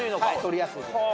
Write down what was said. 撮りやすいです。